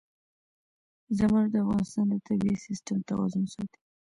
زمرد د افغانستان د طبعي سیسټم توازن ساتي.